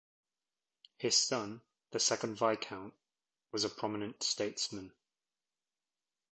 His son, the second Viscount, was a prominent statesman.